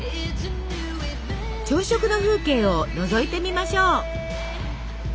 朝食の風景をのぞいてみましょう。